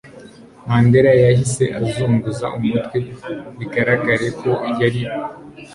Mandela yahise azunguza umutwe bigaragare ko yari